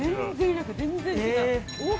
全然違う。